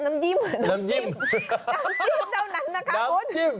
น้ำจิ้มเดียวนั้นนะคะพุทธ